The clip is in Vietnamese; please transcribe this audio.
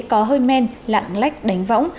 có hơi men lặn lách đánh võng